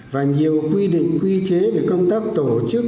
và nhiều quy định quy chế về công tác tổ chức